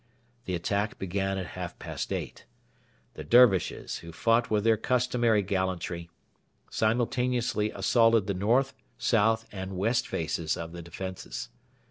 The attack began at half past eight. The Dervishes, who fought with their customary gallantry, simultaneously assaulted the north, south, and west faces of the defences.